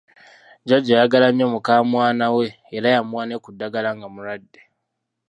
Jjajja ayagala nnyo mukamwana we era yamuwa ne ku ddagala nga mulwadde.